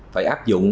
phải áp dụng